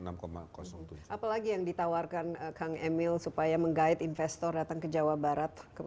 apa lagi yang ditawarkan kang emil supaya meng guide investor datang ke jawa barat